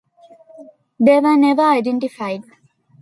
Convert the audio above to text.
They were never identified.